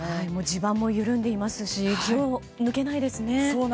地盤も緩んでいますし気を抜けないですね。